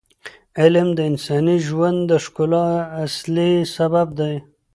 علم د انساني ژوند د ښکلا اصلي سبب دی.